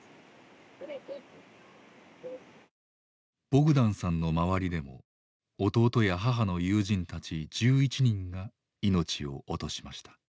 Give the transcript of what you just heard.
ボグダンさんの周りでも弟や母の友人たち１１人が命を落としました。